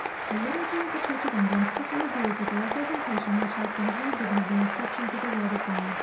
The Liturgy of the church of England strictly agrees with the representation, which has been here given of the instructions of the word of God.